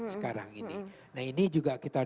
sekarang ini nah ini juga kita